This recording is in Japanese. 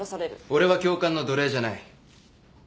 俺は教官の奴隷じゃない。